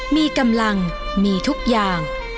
มีกำลังมีทุกอย่าง